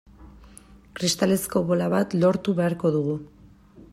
Kristalezko bola bat lortu beharko dugu.